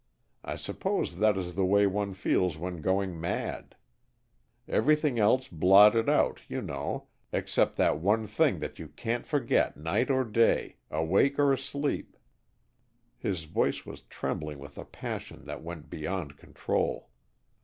I suppose that is the way one feels when going mad. Everything else blotted out, you know, except that one thing that you can't forget night or day, awake or asleep, " His voice was trembling with a passion that went beyond control.